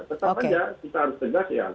tetap saja kita harus tegas ya